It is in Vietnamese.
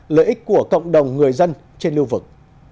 lợi ích của cộng đồng người dân trên lưu vực